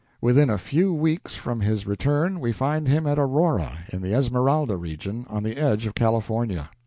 Within a few weeks from his return we find him at Aurora, in the Esmeralda region, on the edge of California.